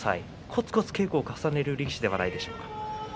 こつこつ稽古を重ねる力士ではないでしょうか？